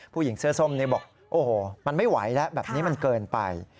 ผู้หญิงเสื้อส้มนี้บอกโอ้โหมันไม่ไหวแล้วแบบนี้มันเกินไป